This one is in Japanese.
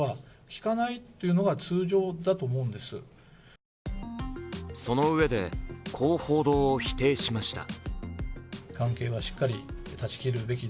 昨日の会見でそのうえでこう報道を否定しました。